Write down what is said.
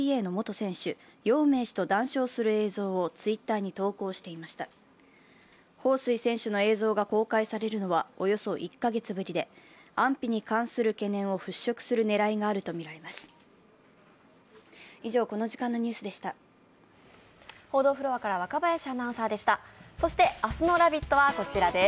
彭帥選手の映像が公開されるのはおよそ１カ月ぶりで安否に関する懸念を払拭する狙いがあるとみられます。